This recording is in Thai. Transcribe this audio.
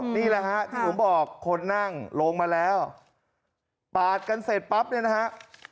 นี่แหละฮะที่ผมบอกคนนั่งลงมาแล้วปาดกันเสร็จปั๊บเนี่ยนะฮะ